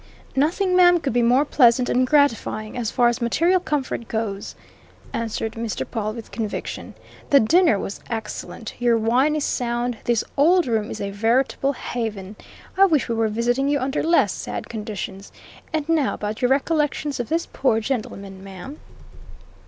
"Nothing ma'am, could be more pleasant and gratifying, as far as material comfort goes," answered Mr. Pawle with conviction. "The dinner was excellent; your wine is sound; this old room is a veritable haven! I wish we were visiting you under less sad conditions. And now about your recollections of this poor gentleman, ma'am?"